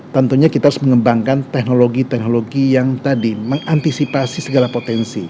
tentunya kita harus mengembangkan teknologi teknologi yang tadi mengantisipasi segala potensi